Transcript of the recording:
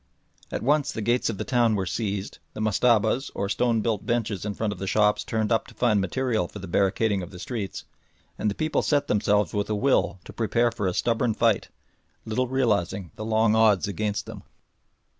At once the gates of the town were seized, the mustabas, or stone built benches in front of the shops torn up to find material for the barricading of the streets, and the people set themselves with a will to prepare for a stubborn fight, little realising the long odds against them.